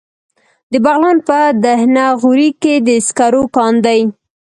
د بغلان په دهنه غوري کې د سکرو کان دی.